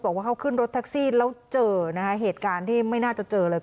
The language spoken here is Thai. บอกว่าเขาขึ้นรถแท็กซี่แล้วเจอนะคะเหตุการณ์ที่ไม่น่าจะเจอเลย